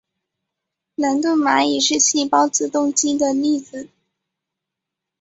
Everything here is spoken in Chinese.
兰顿蚂蚁是细胞自动机的例子。